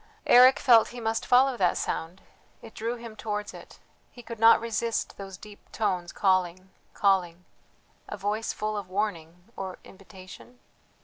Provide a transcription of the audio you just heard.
Eric felt he must follow that sound; it drew him towards it; he could not resist those deep tones calling, calling.... A voice full of warning or invitation?...